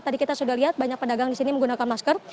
tadi kita sudah lihat banyak pedagang di sini menggunakan masker